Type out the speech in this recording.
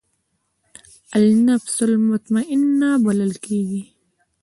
النفس المطمئنه بلل کېږي.